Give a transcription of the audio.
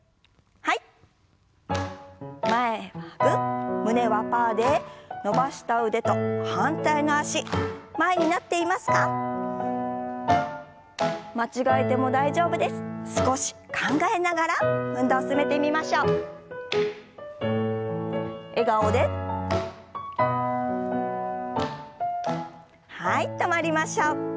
はい止まりましょう。